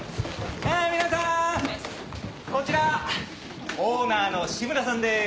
え皆さんこちらオーナーの志村さんです。